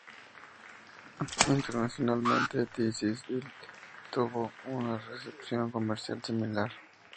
Internacionalmente, "This Is It" tuvo una recepción comercial similar.